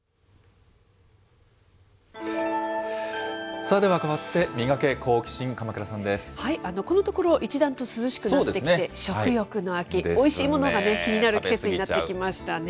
さあ、では変わって、ミガケ、このところ、一段と涼しくなってきて、食欲の秋、おいしいものが気になる季節になってきましたね。